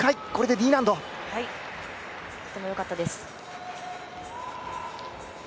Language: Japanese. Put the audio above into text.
とてもよかったです。